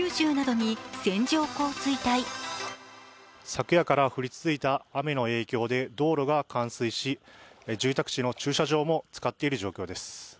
昨夜から降り続いた雨の影響で道路が冠水し、住宅地の駐車場もつかっている状況です。